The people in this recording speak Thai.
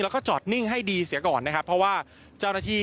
แล้วก็จอดนิ่งให้ดีเสียก่อนนะครับเพราะว่าเจ้าหน้าที่